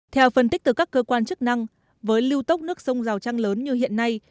theo phân tích từ các cơ quan chức năng với lưu tốc nước sông rào trăng lớn như hiện nay